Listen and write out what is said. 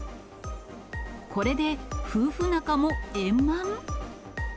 これで夫婦仲も円満？